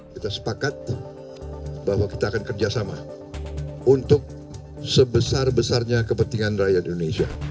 kita sepakat bahwa kita akan kerjasama untuk sebesar besarnya kepentingan rakyat indonesia